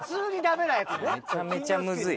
めちゃめちゃむずい。